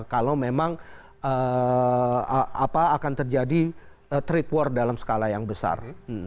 kalau memang akan terjadi trade war dalam skala yang besar